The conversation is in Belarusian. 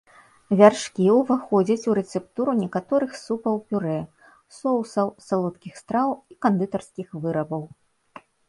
Вяршкі ўваходзяць у рэцэптуру некаторых супаў-пюрэ, соусаў, салодкіх страў і кандытарскіх вырабаў.